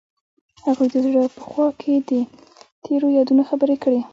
هغوی د زړه په خوا کې تیرو یادونو خبرې کړې.